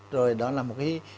rồi đó là một cái